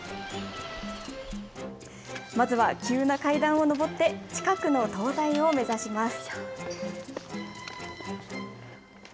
まずは急な階段を上って、近くの灯台を目指します。